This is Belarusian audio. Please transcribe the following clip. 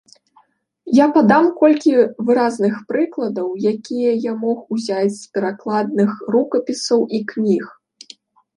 Я падам колькі выразных прыкладаў, якія я мог узяць з перакладных рукапісаў і кніг.